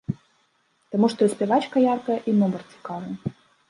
Таму што і спявачка яркая, і нумар цікавы.